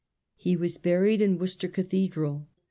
He was buried in Worcester Cathedral.